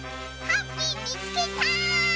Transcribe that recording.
ハッピーみつけた！